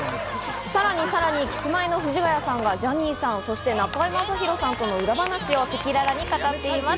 さらにキスマイの藤ヶ谷さんがジャニーさん、そして中居正広さんとの裏話を赤裸々に語っています。